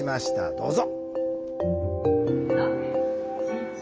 どうぞ。